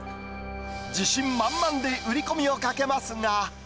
自信満々で売り込みをかけますが。